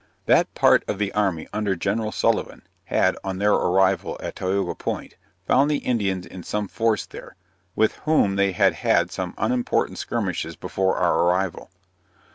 That part of the army under Gen. Sullivan, had, on their arrival at Tioga Point, found the Indians in some force there, with whom they had had some unimportant skirmishes before our arrival.